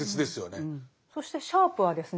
そしてシャープはですね